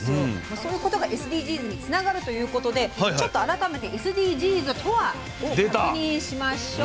そういうことがＳＤＧｓにつながるということでちょっと改めてＳＤＧｓとはを確認しましょう。